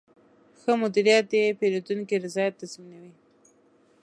ښه مدیریت د پیرودونکي رضایت تضمینوي.